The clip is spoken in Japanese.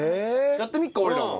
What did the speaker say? やってみっか俺らも。